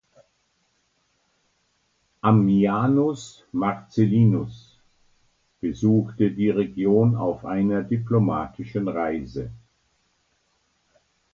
Ammianus Marcellinus besuchte die Region auf einer diplomatischen Reise.